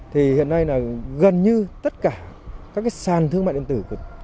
thì hiện nay là gần như tất cả các sàn thương mại điện tử